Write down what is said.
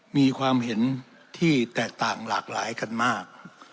มีความเห็นที่แตกต่างหลากหลายกันมาก